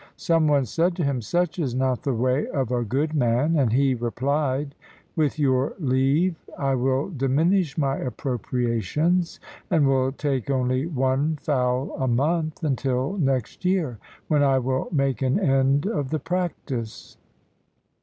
Some one said to him, ' Such is not the way of a good man '; and he replied, ' With your leave I will diminish my appropria tions and will take only one fowl a month until next year, when I will make an end of the practice.'